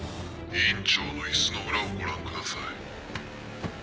院長のイスの裏をご覧ください。